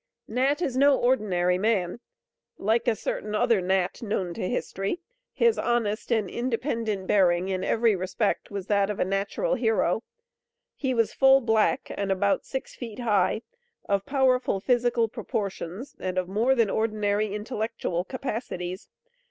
Nat is no ordinary man. Like a certain other Nat known to history, his honest and independent bearing in every respect was that of a natural hero. He was full black, and about six feet high; of powerful physical proportions, and of more than ordinary intellectual capacities.